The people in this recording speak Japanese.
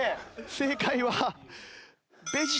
正解は。